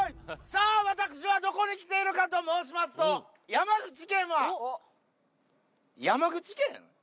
さあ、私はどこに来ているかと申しますと、山口県は、山口県？